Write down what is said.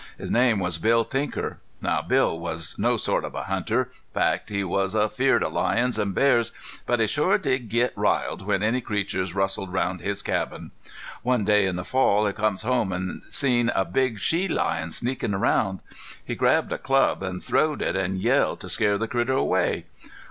His name was Bill Tinker. Now Bill was no sort of a hunter, fact was he was afeerd of lions an' bears, but he shore did git riled when any critters rustled around his cabin. One day in the fall he comes home an' seen a big she lion sneakin' around. He grabbed a club, an' throwed it, and yelled to scare the critter away.